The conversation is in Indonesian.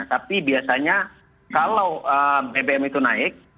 tapi biasanya kalau bbm itu naik